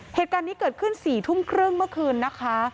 เหตุการณ์นี้เกิดขึ้น๔ทุ่มครึ่งเมื่อคืนนะคะ